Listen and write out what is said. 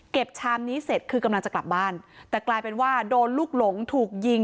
ชามนี้เสร็จคือกำลังจะกลับบ้านแต่กลายเป็นว่าโดนลูกหลงถูกยิง